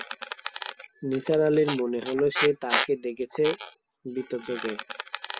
নিসার আলির মনে হল, সে তাঁকে দেখছে ভীত চোখে।